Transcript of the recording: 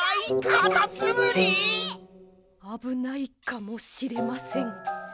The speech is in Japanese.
あぶないかもしれません。